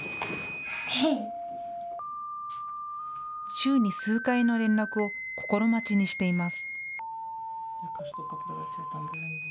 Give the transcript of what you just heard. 週に数回の連絡を心待ちにしています。